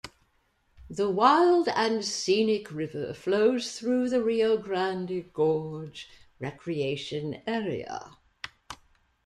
The Wild and Scenic River flows through the Rio Grande Gorge Recreation Area.